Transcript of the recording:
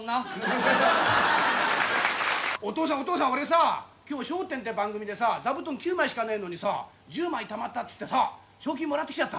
お父さん、お父さん、俺さあ、きょう、笑点っていう番組でさ、座布団９枚しかねえのにさ、１０枚たまったって言ってさ、賞金もらってきちゃった。